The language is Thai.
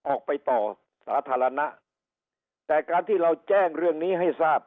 ออกไปต่อสาธารณะแต่การที่เราแจ้งเรื่องนี้ให้ทราบ